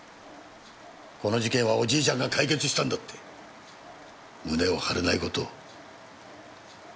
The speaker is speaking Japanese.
この事件はおじいちゃんが解決したんだって胸を張れない事を。